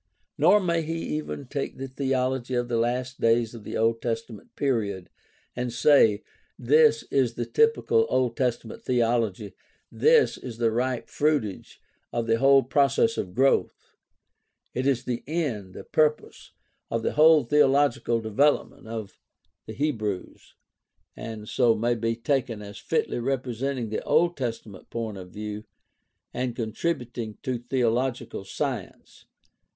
Nor may he even take the theology of the last days of the Old Testament period and say, "This is the typical Old Testament theology; this is the ripe fruitage of the whole process of growth; it is the end, the purpose, of the whole theological development of the Hebrews, and so may be taken as fitly representing the Old Testament point of view and contribution to theological science."